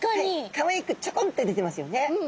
かわいくチョコンッて出てますよね。